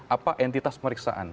apa entitas pemeriksaan